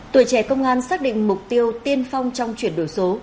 tuổi trẻ công an xác định mục tiêu tiên phong trong chuyển đổi số